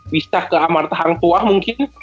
bisa ke amar tahang tuah mungkin